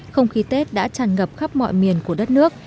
không khí tết đã tràn ngập khắp mọi miền của đất nước